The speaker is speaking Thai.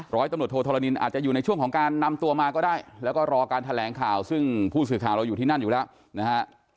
ร้อยตำรวจโทธรณินอาจจะอยู่ในช่วงของการนำตัวมาก็ได้แล้วก็รอการแถลงข่าวซึ่งผู้สื่อข่าวเราอยู่ที่นั่นอยู่แล้วนะฮะ